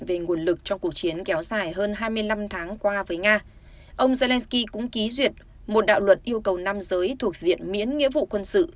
về nguồn lực trong cuộc chiến kéo dài hơn hai mươi năm tháng qua với nga ông zelensky cũng ký duyệt một đạo luật yêu cầu nam giới thuộc diện miễn nghĩa vụ quân sự